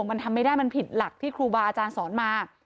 มันทำไม่ได้มันผิดหลักที่ครูบาอาจารย์สอนมา